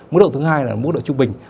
mức độ thứ hai là mức độ trung bình